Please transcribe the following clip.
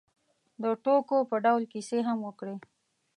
د ټوکو په ډول کیسې هم وکړې.